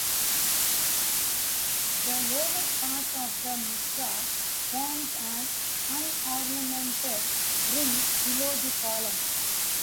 The lower part of the mitra forms an unornamented rim below the column.